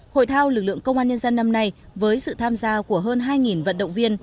hội thao lực lượng công an nhân dân năm nay với sự tham gia của hơn hai vận động viên